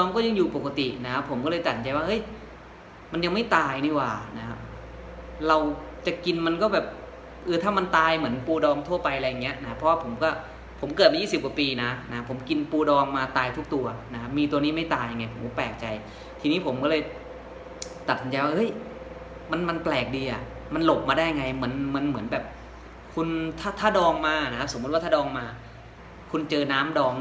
นะฮะเราจะกินมันก็แบบเออถ้ามันตายเหมือนปูดองทั่วไปอะไรอย่างเงี้ยนะเพราะว่าผมก็ผมเกิดมายี่สิบกว่าปีนะนะฮะผมกินปูดองมาตายทุกตัวนะฮะมีตัวนี้ไม่ตายไงผมก็แปลกใจทีนี้ผมก็เลยตัดสัญญาว่าเฮ้ยมันมันแปลกดีอ่ะมันหลบมาได้ไงมันมันเหมือนแบบคุณถ้าถ้าดองมานะฮะสมมติว่าถ้าดองมาคุณเจอน้